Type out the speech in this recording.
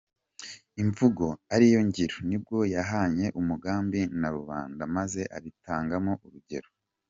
Imvugo ariyo ngiro nibwo yahanye umugambi na rubanda maze abitangamo urugero.